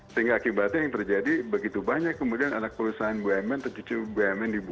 sehingga akibatnya yang terjadi begitu banyak kemudian anak perusahaan bumn atau cucu bumn